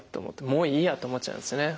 もういいやって思っちゃいますよね。